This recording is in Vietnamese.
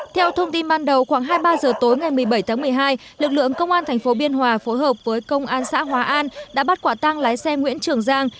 theo thông tin ban đầu khoảng hai mươi ba h tối ngày một mươi bảy tháng một mươi hai lực lượng công an tp biên hòa phối hợp với công an xã hòa an đã bắt quả tăng lái xe nguyễn trường giang